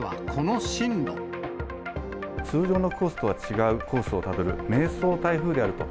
通常のコースとは違うコースをたどる、迷走台風であると。